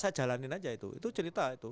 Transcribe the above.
saya jalanin aja itu itu cerita itu